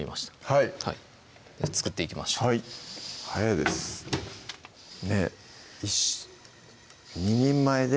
はい作っていきましょうはい早いですねぇ２人前で？